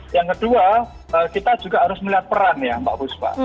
yang kedua kita juga harus melihat peran ya mbak buspa